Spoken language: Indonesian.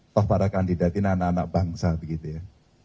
toh para kandidat ini anak anak bangsa begitu ya